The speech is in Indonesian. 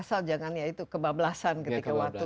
asal jangan ya itu kebablasan ketika waktu